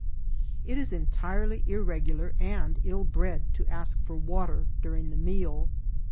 It is entirely irregular and ill bred to ask for water during the meal.